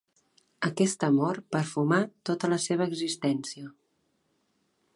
Aquest amor perfumà tota la seva existència.